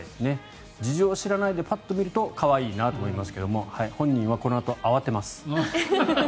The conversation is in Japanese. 事情を知らないでパッと見ると可愛いなと思いますが本人はこのあと慌てます。